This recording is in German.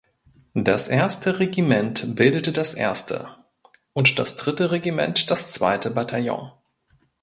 Das erste Regiment bildete das erste und das dritte Regiment das zweite Bataillon.